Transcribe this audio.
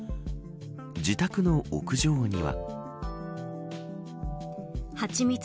自宅の屋上には。